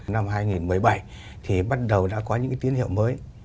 năm hai nghìn một mươi bảy thì bắt đầu đã có những tín hiệu mới